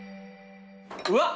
うわっ！